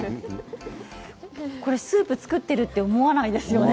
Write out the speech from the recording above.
スープを作ってると思わないですよね。